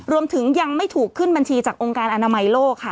รวมถึงยังไม่ถูกขึ้นบัญชีจากองค์การอนามัยโลกค่ะ